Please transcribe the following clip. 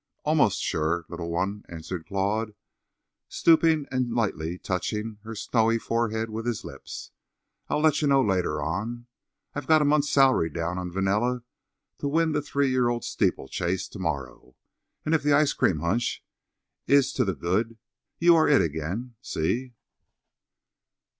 "Almost sure, little one," answered Claude, stooping and lightly touching her snowy forehead with his lips. "I'll let you know later on. I've got a month's salary down on Vanilla to win the three year old steeplechase to morrow; and if the ice cream hunch is to the good you are It again—see?"